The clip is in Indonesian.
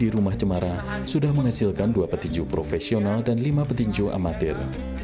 di rumah cemara sudah menghasilkan dua petinju profesional dan lima petinju amatir